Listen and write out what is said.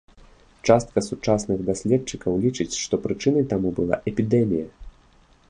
Частка сучасных даследчыкаў лічыць, што прычынай таму была эпідэмія.